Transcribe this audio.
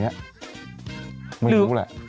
มีปางนี่หรือไหม